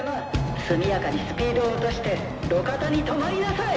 速やかにスピードを落として路肩に止まりなさい！